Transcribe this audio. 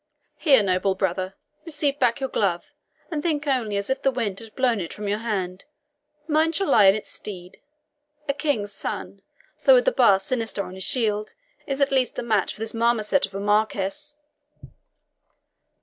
Here, noble brother, receive back your glove, and think only as if the wind had blown it from your hand. Mine shall lie in its stead. A king's son, though with the bar sinister on his shield, is at least a match for this marmoset of a marquis."